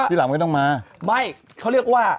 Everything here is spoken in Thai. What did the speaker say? เป็นแหล่วไม่ต้องมาไม่เขาเรียกว่า